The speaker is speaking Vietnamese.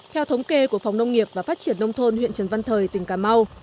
theo thống kê của phòng nông nghiệp và phát triển nông thôn huyện trần văn thời tỉnh cà mau